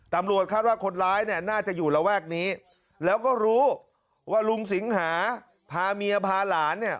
ตำรวจคาดว่าคนร้ายเนี่ยน่าจะอยู่ระแวกนี้แล้วก็รู้ว่าลุงสิงหาพาเมียพาหลานเนี่ย